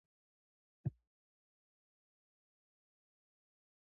سید علي ترمذي په فلاني کال کې وفات شوی دی.